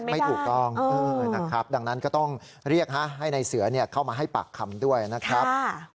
ไม่ถูกต้องนะครับดังนั้นก็ต้องเรียกให้ในเสือเข้ามาให้ปากคำด้วยนะครับ